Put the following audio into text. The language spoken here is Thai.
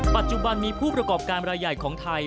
ปัจจุบันมีผู้ประกอบการรายใหญ่ของไทย